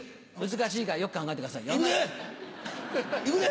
難しいからよく考えてくださいよ。